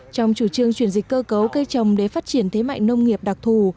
trong chủ trương chuyển dịch cơ cấu cây trồng để phát triển thế mạnh nông nghiệp đặc thù